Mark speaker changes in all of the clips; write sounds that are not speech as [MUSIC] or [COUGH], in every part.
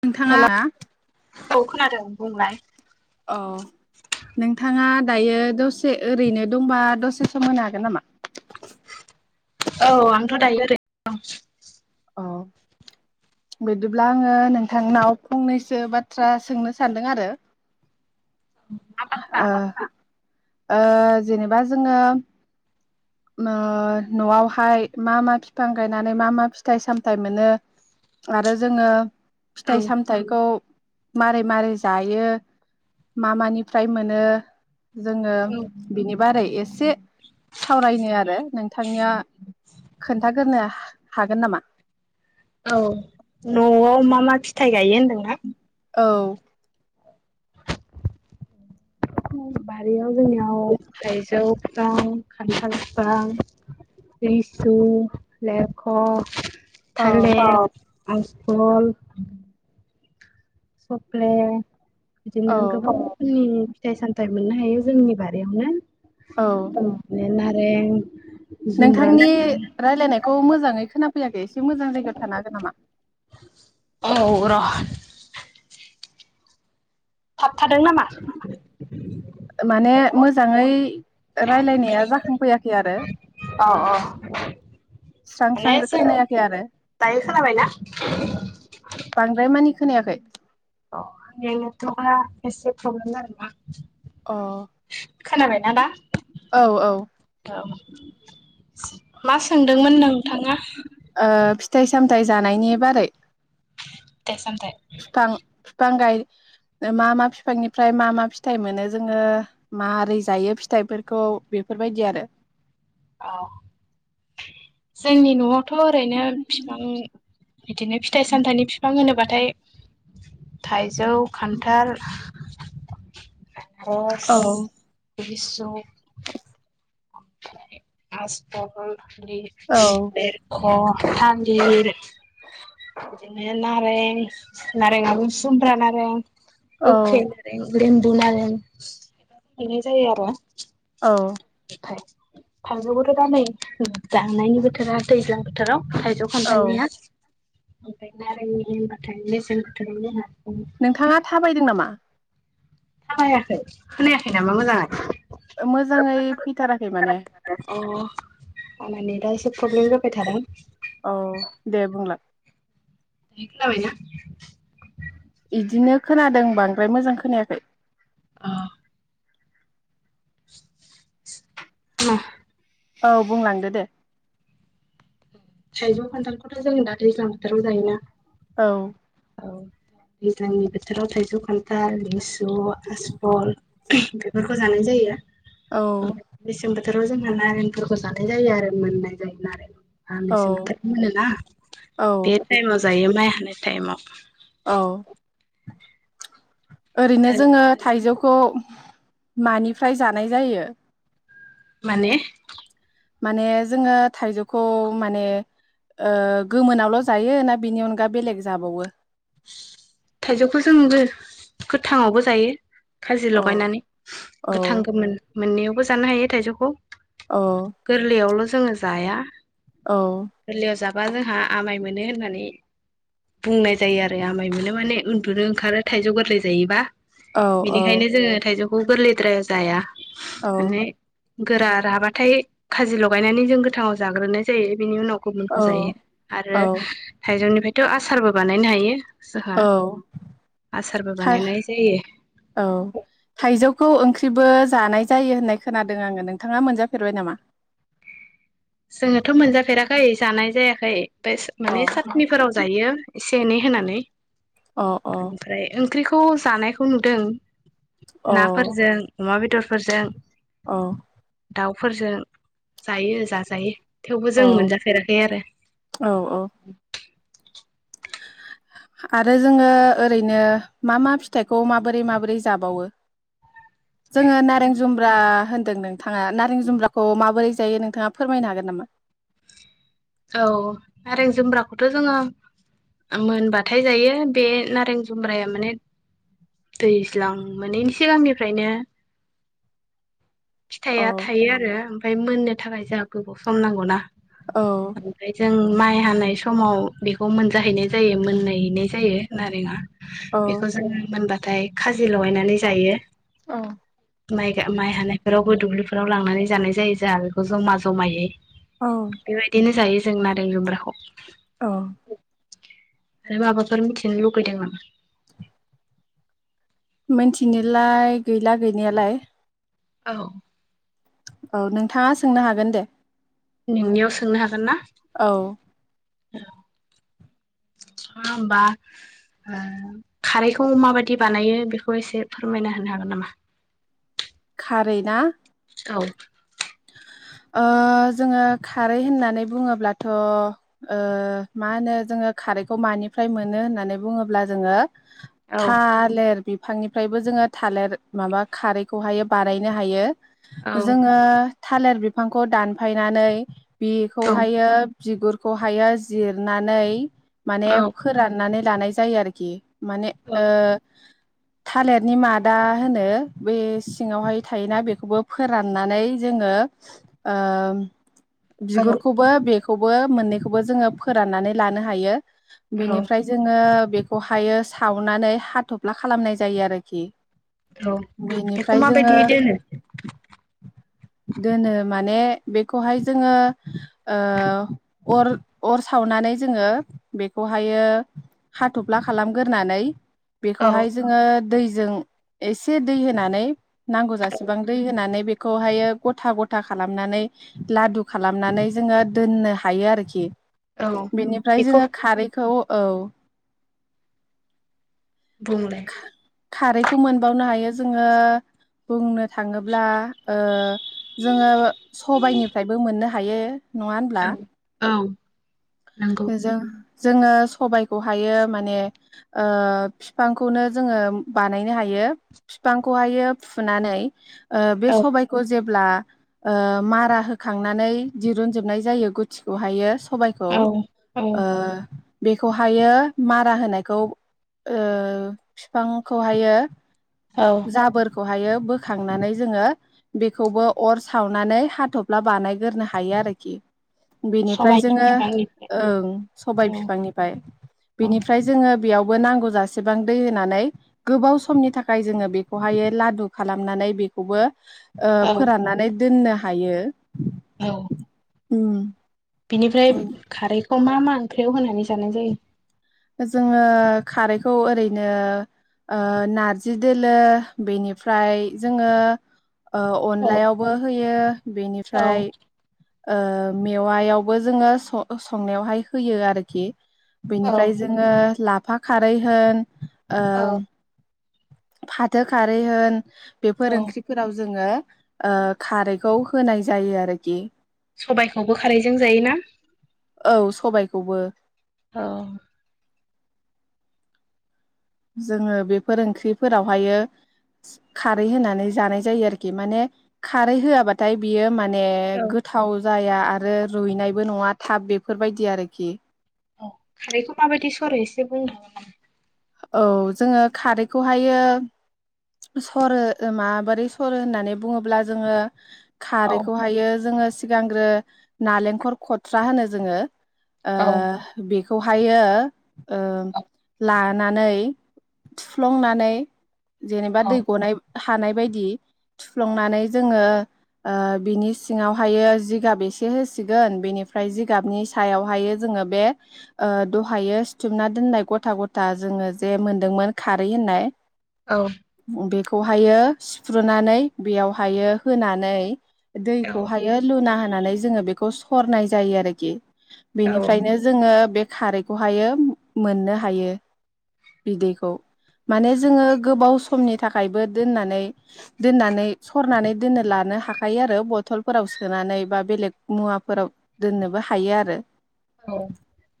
Speaker 1: नोंथाङा
Speaker 2: हेल' औ खोनादों बुंलाय ।
Speaker 1: औ नोंथाङा दायो दसे ओरैनो दंबा दसे सम होनो हागोन नामा?
Speaker 2: औ आंथ' दायो ओरै दं।
Speaker 1: अ' बिदिब्ला आङो नोंथांनाव फंनैसो बाथ्रा सोंनो सानदों आरो ।
Speaker 2: मा बाथ्रा
Speaker 1: ओ ओ जेनेबा जोङो ओ‌ न'आवहाय मा मा फिफां गायनानै मा मा फिथाइ सामथाइ मोनो? आरो जोङो
Speaker 2: औ
Speaker 1: फिथाइ सामथायाइखौ मारै मारै जायो मा मानिफ्राय मोनो जोङो बिनि बारै एसे सावरायनो आरो नोंथांनिया खोन्थागोरोनो हागोन नामा?
Speaker 2: औ न'आव मा मा फिथाइ गायो होनदोंना?
Speaker 1: औ!
Speaker 2: उ [INAUDIBLE] बारियाव जोंनियाव थाइजौ बिफां खान्थाल बिफां लिसु लेरख'
Speaker 1: औ
Speaker 2: थालेर आसफ्ल', सफ्ले,
Speaker 1: औ
Speaker 2: बिदिनो गोबां रोखोमनि फिथाइ सामथाइ' फिथाइ मोननो हायो जोंनि
Speaker 1: औ
Speaker 2: बारियावनो। अ नारें जुमब्रा
Speaker 1: नोंथांनि
Speaker 2: नारें
Speaker 1: रायलायनायखौ मोजाङै खोनाफैयाखै एसे मोजां जायगायाव थानो हागोन नामा?
Speaker 2: औ र थाबथादों नामा
Speaker 1: माने मोजांङै रायलायनाया जाखांफैयाखै आरो
Speaker 2: अ
Speaker 1: स्रां
Speaker 2: माने
Speaker 1: स्रांजों
Speaker 2: जों
Speaker 1: खोनायाखै आरो
Speaker 2: दायो खोनाबायना
Speaker 1: बांद्राय मानि खोनायाखै।
Speaker 2: नेथवक आ एसे प्रब्लेम जादों आरोना।
Speaker 1: अ
Speaker 2: खोनाबायना दा?
Speaker 1: औ औ
Speaker 2: औ मा सोंदोंमोन नोंथांङा।
Speaker 1: फिथाइ सामथायाइ जानायनि बारै
Speaker 2: फिथाय सामथाय
Speaker 1: बिफां बिफां गाय मा मा फिफांनिफ्राय मा मा फिथाइ मोनो जोंङो मोरै जायो फिथाइफोरखौ बेफोरबायदि आरो
Speaker 2: औ जोंनि नआवथ ओरैनो बिफां बिदिनो फिथाइ सामथाइनि बिफां होनोब्लााथ थाइजौ खान्थाल दस
Speaker 1: औ
Speaker 2: बिस द मास्थाबोल
Speaker 1: औ
Speaker 2: लेरख थांलिर बिदिनो नारें नारेंआबो जुमब्रा नारें
Speaker 1: औ
Speaker 2: गोखै [UNINTELLIGIBLE] [UNINTELLIGIBLE] हैनाय जायो आरो।
Speaker 1: औ
Speaker 2: थाइ थाइजौ खौथ दा नै दांनायनि बेथोर आव दैज्लां बेथार आव। थायजौ
Speaker 1: औ
Speaker 2: खान्थालनिया। ओमफ्राय नारेंनि होनबाथाय मेसें बाथोर आव जोंहा
Speaker 1: नोंथांङा थाबायदों नामा?
Speaker 2: थाबायाखै खोनायाखै नामा मोजाङै?
Speaker 1: मोजाङै फैथाराखै माने।
Speaker 2: मानि दा एसे प्रब्लेम जाबाय थादों।
Speaker 1: औ दे बुंलाय।
Speaker 2: खोनाबायना?
Speaker 1: बिदिनो खोनादों बांद्राय मोजां खोनायाखै।
Speaker 2: अ। उम।
Speaker 1: औ बुंलांदो दे।
Speaker 2: थाइजौ, खान्थालखौथ' जों दा दैज्लां बोथोराव जायोना??
Speaker 1: औ।
Speaker 2: औ दैज्लांनि बोथोराव थाइजौ, खान्थाल, लिसु, [UNINTELLIGIBLE] आसपल बेफोरखौ जानाय जायो।
Speaker 1: औ
Speaker 2: [INAUDIBLE] बोथोराव जोङो नारेंफोरखौ जाथाय जायो आरो मोननाय जायो नारें। ओ
Speaker 1: औ
Speaker 2: मेसें बोथार मोनोना
Speaker 1: औ
Speaker 2: बे टाइमाव जायो माइ हानाय टाइमाव।
Speaker 1: औ। ओरैनो जोङो थाइजौ खौ मानिफ्राय जानाय जायो?
Speaker 2: माने
Speaker 1: माने जोङो थाइजौखौ माने ओ गोमोनावल' जायो ना बिनि अनगा बेलेग जाबावो?
Speaker 2: थाइजौखौ जोंबो गोथाङावबो जायो खाजि
Speaker 1: औ
Speaker 2: लगायनानै। गोथां गोमोन मोननैयाव जानो हायो थाइजौखौ।
Speaker 1: औ
Speaker 2: गोरलैयावल' जोङो जाया।
Speaker 1: औ
Speaker 2: बा जोंहा आमाय मोनो होननानै बुंनाय जायो आरो आमाय मोनो माने उन्दुनो ओंखारो थाइजौ गोरलै जायोबा।
Speaker 1: औ
Speaker 2: बेनिखायनो जोङो थाइजौ खौ गोरलैद्रायाव जाया‌ माने गोरा राबाथाय खाजि लगायनानै जों गोथाङाव जाग्रोनाय जायो बेनि उनाव गुबुनखौ
Speaker 1: औ
Speaker 2: जायो। आरो
Speaker 1: औ
Speaker 2: थाइजौनिफ्राय [UNINTELLIGIBLE] आसारबो बानायनो हायो जोंहा
Speaker 1: औ
Speaker 2: आसारबो
Speaker 1: औ
Speaker 2: बानायनाय जायो
Speaker 1: थाइ थाइजौखौ ओं [UNINTELLIGIBLE] जानाय जायो होननाय खोनादों आङो नोंथाङा मोनजाफेरबाय नामा?
Speaker 2: जोंनोथ' मोनजाफेराखै जानाय जायाखै [UNINTELLIGIBLE]
Speaker 1: अ
Speaker 2: माने साखनिफोराव जायो एसे [UNINTELLIGIBLE] होनानै
Speaker 1: अ औ
Speaker 2: [INAUDIBLE] ओमफ्राय ओंख्रिखौ जानायखौ नुदों
Speaker 1: औ
Speaker 2: नाफोरजों अमा बेदरफोरजों
Speaker 1: औ
Speaker 2: दाउफोरजों। जायो जा जायो थेवबो जों मोनजाफेराखै आरो
Speaker 1: औ औ [INAUDIBLE] आरो जोङो ओरैनो मा मा फिथाइखौ माबोरै माबोरै जाबावो जोङो नारें जुम्ब्रा होनदों नोंथाङा नारें जुम्ब्राखौ माबोरै जायो नोंथाङा फोरमायनो हागोन नामा।
Speaker 2: औ नारें जुम्ब्राखौथ' जोङो मोनबाथाय जायो बे नारें जुम्ब्राया माने दैज्लां मोनैनि सिगांनिफ्रायनो
Speaker 1: औ
Speaker 2: फिथाया थायो आरो ओमफ्राय मोननो थाखाय जोंहा गोबाव सम सम नांगौ ना
Speaker 1: औ
Speaker 2: ओमफ्राय जों माइ हानाय समाव। बेखौ मोनजाहैनाय जायो मोन नाय ज बे
Speaker 1: औ
Speaker 2: ज मोनबा फाय लगायनानै जायो
Speaker 1: औ
Speaker 2: माइ हानायफोराव [UNINTELLIGIBLE] दुब्लिफोराव लांनानै जानाय जायो जोंहा बेखौ जमा जमायै
Speaker 1: औ
Speaker 2: बेबायदिनो जायो जों नारें जुमब्राखौ।
Speaker 1: औ
Speaker 2: आरो माबाफोर मिथिनो लुगैदों नामा!
Speaker 1: [INAUDIBLE] मिथिनोलाय गैला गैनायालाय
Speaker 2: औ
Speaker 1: औ नोंथाङा सोंनो हागोन दे
Speaker 2: नोंनियाव सोंनो हागोन ना?
Speaker 1: औ
Speaker 2: [INAUDIBLE] होमबा खारैखौ माबायदि बानायो बेखौ एसे फोरमायना होनो हागोन नामा?
Speaker 1: खारैना?
Speaker 2: औ
Speaker 1: [INAUDIBLE] ओ जोङो खारै होननानै बुङोब्लाथ' ओ मा होनो जोङो खारैखौ मानिफ्राय मोनो होननानै बुङोब्ला जोङो
Speaker 2: औ
Speaker 1: थालेर बिफांनिफ्रायबो जोङो थालिर माबा खारैखौहायो बानायनो हायो।
Speaker 2: औ
Speaker 1: जोङो थालिर बिफांखौ दानफायनानै। बेखौहायो बिगुरखौहाया जिरनानै। माने फोरानानै। लानाय जायो आरोखि माने ओ थालिरनि मादा होनो बे सिङावहाय थायोना बेखौबो फोराननानै जोङो ओ
Speaker 2: औ
Speaker 1: बिगुरखौबो बेख खौबो मोननैखौबो जोङो फोराननानै लानो हायो
Speaker 2: औ
Speaker 1: बिनिफ्राय जोङो बेखौहायो सावनानै हाथ'फ्ला खालामनाय जायो आरोखि
Speaker 2: औ
Speaker 1: बेनिफ्राय
Speaker 2: बेखौ
Speaker 1: जोङो
Speaker 2: माबायदियै दोनो।
Speaker 1: दोनो माने बेखौहाय जोङो ओ अर अर सावनानै जोङो बेखौहायो हाथ'फ्ला खालामगोरनानै
Speaker 2: औ
Speaker 1: बेखौहाय जोङो दै जों एसे दै होनानै नांगौ जसेबां होननानै बे बेहायो गथा गथा खालामनानै लादु खालामनानै जोङो दोननो हायो आरोखि
Speaker 2: औ
Speaker 1: । बेनिफ्राय
Speaker 2: बेखौ
Speaker 1: जोङो खारैखौ औ
Speaker 2: बुंलाय
Speaker 1: खारैखौ मोनबावनो हायो। जोङो बुंनो थाङोब्ला ओ जोङो सबायाइनिफ्रायबो मोननो हायो। हायो
Speaker 2: औ औ नंगौ
Speaker 1: जों जोङो सबायखौहायो माने ओ फिफांखौनो जोङो बानायनो हायो फिफांखौहायो फुनानै ओ बे
Speaker 2: औ
Speaker 1: सबायखौ जे ब्लाव ओ मारा होखांनानै दिरुन जोबनाय जायो गुथिखौहायो सबायाइखौ
Speaker 2: औ
Speaker 1: ओ
Speaker 2: औ
Speaker 1: बेखौहायो मारा होनायखौ ओ फिफांखौहायो
Speaker 2: औ
Speaker 1: जाबोर [UNINTELLIGIBLE] बोखांनानै जोङो बेखौबो अर सावनानै हाथ'फ्ला बानायगोरनो हायो आरोखि। बिनिफ्राय
Speaker 2: सबायनि
Speaker 1: जोङो
Speaker 2: बिफांनिफ्राय
Speaker 1: ओं सबाय
Speaker 2: औ
Speaker 1: फिफांनिफ्राय
Speaker 2: औ
Speaker 1: बिनिफ्राय जोङो बेयावबो नांगौ जासेबां दै होनानै गोबाव समनि थाखाय जोङो बेखौहायो लादु खालामनानै बेखौबो ओ
Speaker 2: औ
Speaker 1: फोराननानै दोननो [UNINTELLIGIBLE] हायो।
Speaker 2: औ।
Speaker 1: उम।
Speaker 2: बिनिफ्राय खारै [UNINTELLIGIBLE] मा- मा ओंख्रियाव होनानै जानाय जायो?
Speaker 1: जोङो खारैखौ ओरैनो ओ नारजि दोलो बेनिफ्राय जोङो ओ
Speaker 2: औ
Speaker 1: अनलायावबो होयो
Speaker 2: औ
Speaker 1: बेनिफ्राय ओ मेवायावबो जोङो सं- संनायावहाय होयो आरोखि।
Speaker 2: औ
Speaker 1: ओमफ्राय जोङो [UNINTELLIGIBLE] [UNINTELLIGIBLE] खारै होन ओ
Speaker 2: औ
Speaker 1: फाथो खारै होन बेफोर
Speaker 2: औ
Speaker 1: ओंख्रिफोराव जोङो ओ खारैखौ होनाय जायो आरोखि।
Speaker 2: सबायखौबो खारैजों जायो ना?
Speaker 1: औ सबायखौबो
Speaker 2: औ।
Speaker 1: जोङो बेफोर ओंख्रिफोरावहायो खारै होनानै जानाय जायो आरोखि माने खारै होआबाथाय बियो [UNINTELLIGIBLE]
Speaker 2: औ
Speaker 1: [UNINTELLIGIBLE] गोथाव जाया आरो रुइनायबो नङा थाब बेफोर बायदि आरोखि।
Speaker 2: औ खारैखौ माबादि सरो एसे बुंदों?
Speaker 1: औ जोङो खारैखौ हायो सरो माबोरै सरो होननानै बुङोब्ला जोङो
Speaker 2: हागोन
Speaker 1: खारैखौहायो जोङो सिगांग्रो नालेंखर खथ्रा होनो जोङो। ओ
Speaker 2: नामा
Speaker 1: बे [UNINTELLIGIBLE] हायो ओ ला [UNINTELLIGIBLE] थुफ्लंनानै जेनेबा
Speaker 2: औ
Speaker 1: दै गनाय हानाय बायदि थुफ्लंनानै जोङो ओ बिनि सिङावहायो जिगाब एसे होसिगोन बेनिफ्राय जिगाबनि सायावहाय जोङो बे ओ दहायो सिथुमना दोननाय गथा [UNINTELLIGIBLE] [UNINTELLIGIBLE] जोङो जे मोनदोंमोन खारै होननाय बे खौ हायो सिफ्रुनानै बेयावहायो होनानै दैखौ
Speaker 2: औ
Speaker 1: हायो लुना हान नानै जोङो बेखौ सरनाय जायो आरोखि।
Speaker 2: औ औ
Speaker 1: बेनिफ्रायनो जोङो बे खारैखौहायो मोननो हायो। बिदैखौ माने जोङो गोबाव समनि थाखायबो दोननानै दोननानै सरनानै दोननो लानो हाखायो आरो बथलफोराव सोनानै बा बेलेग मुवाफोराव दोननोबो हायो आरो
Speaker 2: औ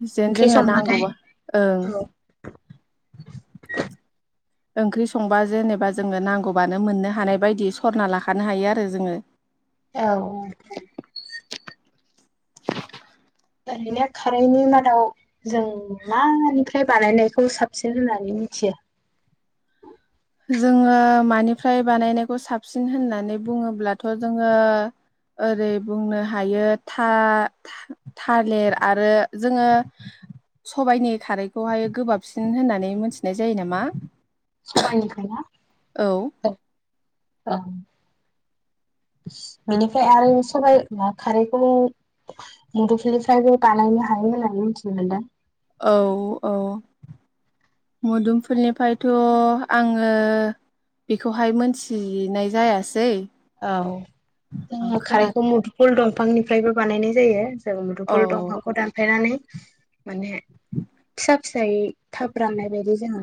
Speaker 1: ज जेन
Speaker 2: ओंख्रि
Speaker 1: जोङो
Speaker 2: संबाथाय
Speaker 1: नांगौबा ओं
Speaker 2: औ [INAUDIBLE]
Speaker 1: ओंख्रि संबा जेनेबा जोङो नांगौबानो मोननो हानाय बायदि सरना लाखानो हायो आरो जोङो।
Speaker 2: औ ओरैनो खारैनि मादाव जों मा निफ्राय बानायनायखौ साबसिन होननानै मिथियो?
Speaker 1: जोङो मानिफ्राय बानायनायखौ साबसिन होननानै बुङोब्लाथ' जोङो ओरै बुंनो हायो था थालिर आरो जोङो सबायनि खारैखौहाय गोबाबसिन होननानै मोनथिनाय जायो नामा?
Speaker 2: सबाइनिफ्रायना?
Speaker 1: औ
Speaker 2: अ सो बेनिफ्राय आरो सबाइ बा खारैखौ मुदुफुलनिफ्रायबो बानायनो हायो होननानै मिथिनो मोन्दों।
Speaker 1: औ औ मुदुमफुलनिफ्रायथ' आङो बेखौहाय मोनथिनाय जायासै।
Speaker 2: औ जोङो खारैखौ
Speaker 1: खोनाखै
Speaker 2: मुदुफुल दंफ फांनिफ्रायबो बानायनाय जायो। जों
Speaker 1: औ
Speaker 2: मुदुफुल दंफांखौ दानफायनानै माने
Speaker 1: [INAUDIBLE]
Speaker 2: था फिथाय थाब राननाय बायदि जोङो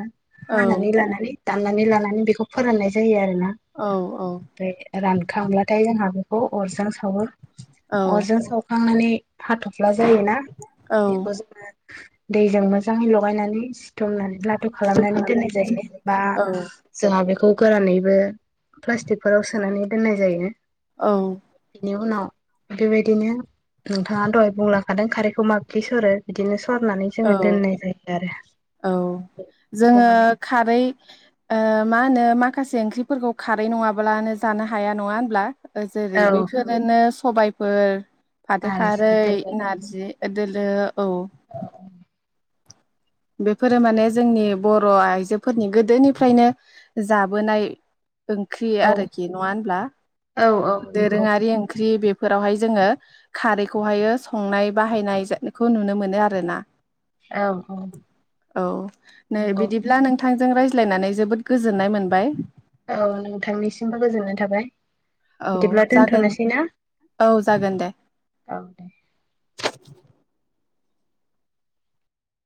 Speaker 1: औ
Speaker 2: हानानै लानानै दाननानै लानानै बेखौ फोराननाय जायो आरो
Speaker 1: औ औ
Speaker 2: रानखांब्लाथाय जोंहा बेखौ अरजों सावो
Speaker 1: औ
Speaker 2: अरजों सावखांनानै हाथ'फ्ला जायोना बेखौ जोङो दैजों मोजाङै लगायनानै स दुमनानै लादु खालामनानै दोननाय जायो बा
Speaker 1: औ
Speaker 2: जोंहा बेख खौ गोरानैबो प्लास्टिकफोराव सोनानै दोननाय जायो।
Speaker 1: औ
Speaker 2: बिनि उनाव बेबायदिनो नोंथाङा दहाय बुंलांखादों खारैखौ माबायदि सरो बिदिनो सर
Speaker 1: औ औ
Speaker 2: बेखौ
Speaker 1: जोङो
Speaker 2: माने
Speaker 1: खारै ओ मा होनो मा? खासे ओंख्रिफोरखौ खारै नङाब्लानो जानो हाया नङा होनब्ला? ओ जेरै
Speaker 2: औ
Speaker 1: बेफोरोनोस सबायफोर फाथो
Speaker 2: नारजि
Speaker 1: खारै
Speaker 2: दोलो
Speaker 1: नारजि दोलो औ । बेफोरो माने जोंनि बर' आइजोफोरनि गोदोनिफ्रायनो जाबोनाय ओंख्रि
Speaker 2: औ
Speaker 1: आरोखि नङाब्ला
Speaker 2: औ औ नंगौ
Speaker 1: दोरोङारि ओंख्रि बे फोरावहाय जोङो खारैखौहायो संनाय बाहायनायखौ नुनो मोनो आरोना ।
Speaker 2: औ ।
Speaker 1: औ नै बिदिब्ला नों थांजों रायज्लायनानै जोबोद गोजोननाय मोनबाय ।
Speaker 2: औ नोंथांनिसिमबो गोजोननाय थाबाय ।
Speaker 1: औ जागोन औ जागोन दे ।
Speaker 2: औ दे